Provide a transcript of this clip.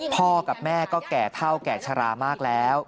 พ่อกับแม่ก็แก่เท่าแก่ชะลามากแล้ว